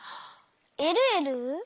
えるえる！